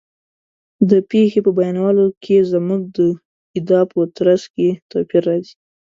د پېښې په بیانولو کې زموږ د ادا په طرز کې توپیر راځي.